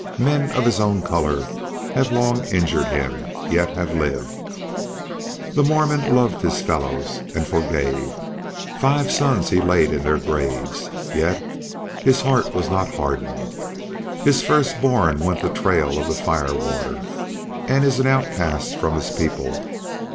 Men of his own color have long injured him, yet have lived. The Mormon loved his fellows and forgave. Five sons he laid in their graves, yet his heart was not hardened. His first born went the trail of the fire water and is an outcast from his people.